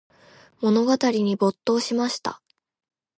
物語に没頭しました。